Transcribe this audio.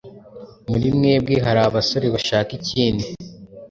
Muri mwebwe hari abasore bashaka ikindi?